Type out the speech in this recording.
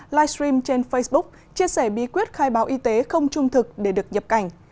livestream trên facebook chia sẻ bí quyết khai báo y tế không trung thực để được nhập cảnh